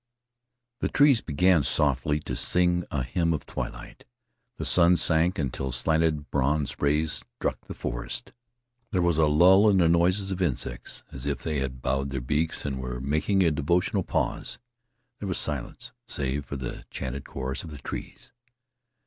The trees began softly to sing a hymn of twilight. The sun sank until slanted bronze rays struck the forest. There was a lull in the noises of insects as if they had bowed their beaks and were making a devotional pause. There was silence save for the chanted chorus of the trees.